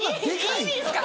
いい意味ですか？